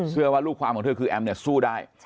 เชื่อว่าลูกความของเธอคือแอมสู้ได้